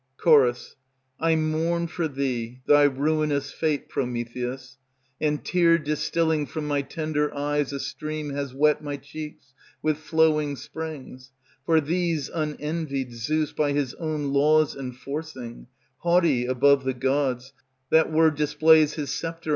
Ch. I mourn for thee thy ruinous Fate, Prometheus, And tear distilling from my tender Eyes a stream has wet My cheeks with flowing springs; For these, unenvied, Zeus By his own laws enforcing, Haughty above the gods That were displays his sceptre.